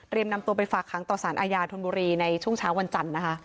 นำตัวไปฝากค้างต่อสารอาญาธนบุรีในช่วงเช้าวันจันทร์นะคะ